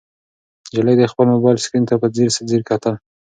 نجلۍ د خپل موبایل سکرین ته په ځیر ځیر کتل.